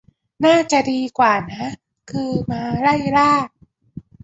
น่าจะดีกว่านะ คือมาไล่ล่า